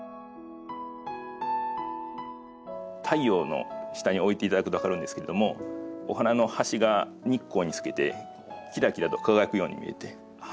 太陽の下に置いていただくと分かるんですけれどもお花の端が日光に透けてきらきらと輝くように見えて。